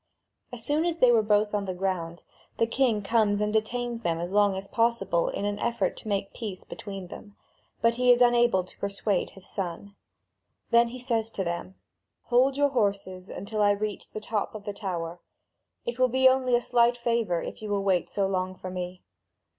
As soon as they were both on the ground, the king comes and detains them as long as possible in an effort to make peace between them, but he is unable to persuade his son. Then he says to them: "Hold in your horses until I reach the top of the tower. It will be only a slight favour, if you will wait so long for me."